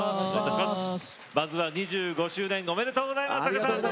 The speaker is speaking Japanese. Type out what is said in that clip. まずは２５周年おめでとうございます。